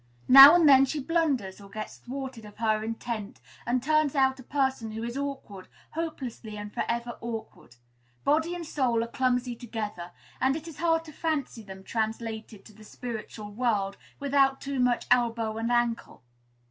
Now and then she blunders or gets thwarted of her intent, and turns out a person who is awkward, hopelessly and forever awkward; body and soul are clumsy together, and it is hard to fancy them translated to the spiritual world without too much elbow and ankle.